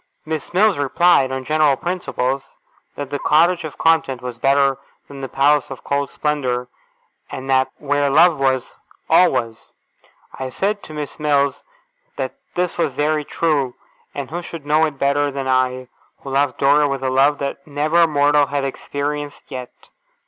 Miss Mills replied, on general principles, that the Cottage of content was better than the Palace of cold splendour, and that where love was, all was. I said to Miss Mills that this was very true, and who should know it better than I, who loved Dora with a love that never mortal had experienced yet?